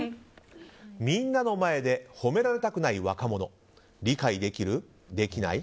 みんなの前で褒められたくない若者理解できる？できない？